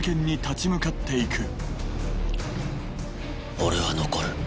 俺は残る。